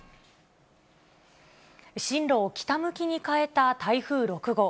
進路を北向きに変えた台風６号。